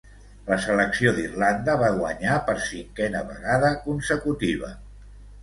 La selecció d'Irlanda va guanyar per cinquena vegada consecutiva.